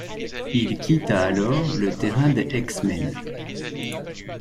Il quitta alors le terrain des X-Men.